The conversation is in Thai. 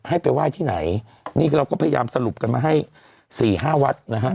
ให้ไปไหว้ที่ไหนนี่เราก็พยายามสรุปกันมาให้สี่ห้าวัดนะฮะ